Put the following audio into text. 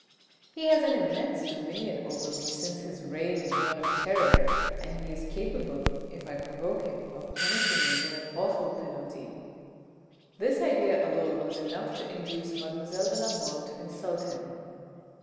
" He has an immense dominion over me since his reign is one of terror, and he is capable, if I provoke him, of punishing me with an awful penalty." This idea alone was enough to induce mademoiselle de la Mole to insult him.